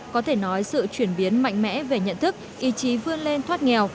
có thể nói sự chuyển biến mạnh mẽ về nhận thức ý chí vươn lên thoát nghèo